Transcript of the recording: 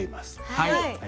はい！